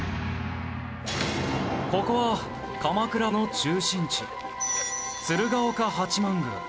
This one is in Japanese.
ここは鎌倉の中心地鶴岡八幡宮。